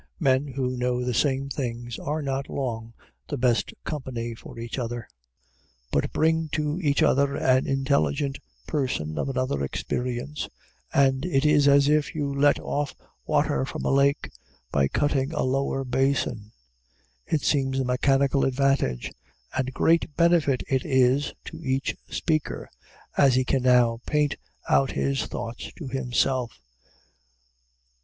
Men who know the same things are not long the best company for each other. But bring to each an intelligent person of another experience, and it is as if you let off water from a lake, by cutting a lower basin. It seems a mechanical advantage, and great benefit it is to each speaker, as he can now paint out his thought to himself.